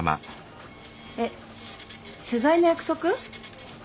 え取材の約束？